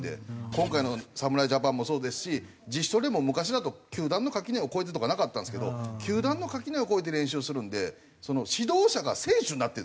今回の侍ジャパンもそうですし自主トレも昔だと球団の垣根を越えてとかなかったんですけど球団の垣根を越えて練習するんで指導者が選手になってるんですよ